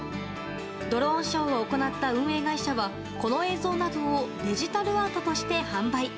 ドローンショーを行った運営会社はこの映像などをデジタルアートとして販売。